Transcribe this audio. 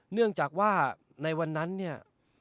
เนื่องจากว่าในวันนั้นเนี่ย